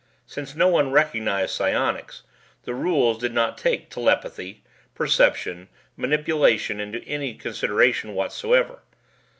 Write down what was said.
Since no one recognized psionics, the rules did not take telepathy, perception, manipulation, into any consideration whatsoever.